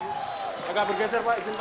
tidak bergeser pak izin tuhan